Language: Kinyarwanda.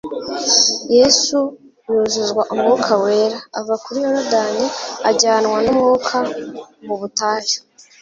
Yesu yuzuzwa Umwuka Wera, ava kuri Yorodani ajyanwa n'Umwuka mu butayu